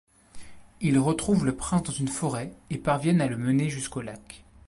Ils retrouvent le prince dans une forêt et parviennent à le mener jusqu'au lac.